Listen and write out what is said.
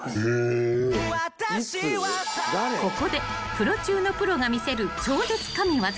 ［ここでプロ中のプロが見せる超絶神業］